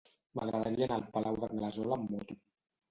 M'agradaria anar al Palau d'Anglesola amb moto.